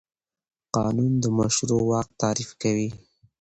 قانون د مشروع واک تعریف کوي.